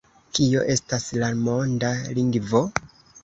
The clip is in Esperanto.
Kio estas la monda lingvo?